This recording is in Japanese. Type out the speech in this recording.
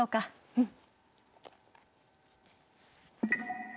うん。